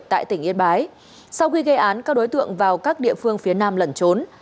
tại tỉnh yên bái sau khi gây án các đối tượng vào các địa phương phía nam lẩn trốn